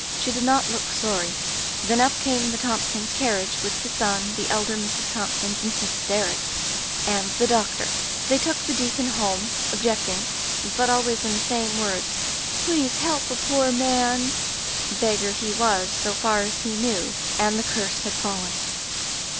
She did not look sorry. Then up came the Thompkins carriage with the son, the elder Mrs. Thompkins in hysterics, and [ 107 ] Digitized by LjOOQ IC Interventions the doctor. They took the deacon home, ob jecting, but always in the same words, 'Please help a poor man!' Beggar he was, so far as he knew, and the curse had fallen.